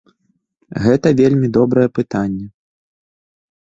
Гэта вельмі добрае пытанне.